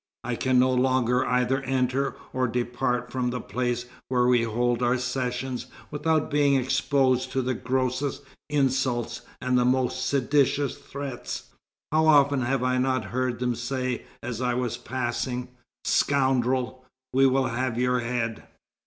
I can no longer either enter or depart from the place where we hold our sessions without being exposed to the grossest insults and the most seditious threats. How often have I not heard them say as I was passing: 'Scoundrel! we will have your head!'"